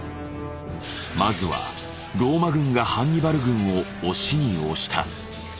まずはローマ軍がハンニバル軍を押しに押した。